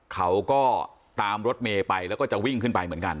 เขาก็ตามรถเมย์ไปแล้วก็จะวิ่งขึ้นไปเหมือนกัน